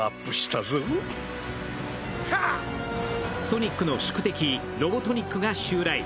ソニックの宿敵・ロボトニックが襲来。